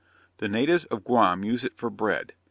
The natives of Guam use it for bread.